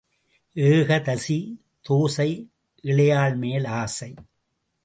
ஏகாதசி தோசை இளையாள்மேல் ஆசை.